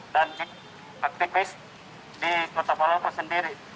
dan aktivis di kota palauku sendiri